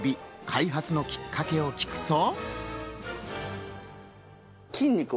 開発のきっかけを聞くと。